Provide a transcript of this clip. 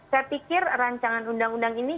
saya pikir rancangan undang undang ini